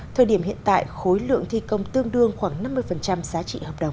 thời điểm hiện tại khối lượng thi công tương đương khoảng năm mươi giá trị hợp đồng